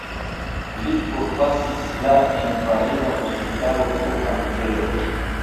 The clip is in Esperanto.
Li forpasis la en pariza hospitalo pro kancero.